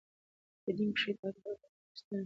په دین کښي تحریف او بدلون راوستل دي.